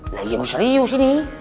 ya serius ini